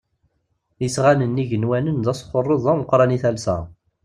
Isɣanen igenwanen d asxurreḍ ameqqran i talsa.